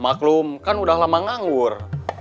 maklum kan udah lama nganggur